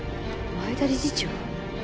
前田理事長？